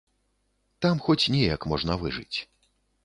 Там хоць неяк можна выжыць.